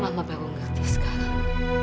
mama baru ngerti sekarang